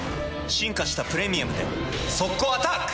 進化した「プレミアム」で速攻アタック！